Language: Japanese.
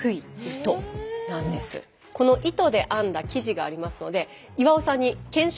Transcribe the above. この糸で編んだ生地がありますので岩尾さんに検証実験をお願いいたします。